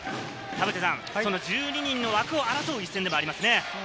その１２人の枠を争う一戦でもありますね。